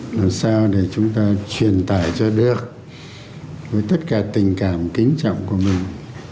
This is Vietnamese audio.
làm sao để chúng ta truyền tải cho được với tất cả tình cảm kính trọng của mình